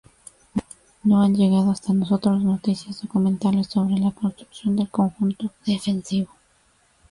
No han llegado hasta nosotros noticias documentales sobre la construcción del conjunto defensivo.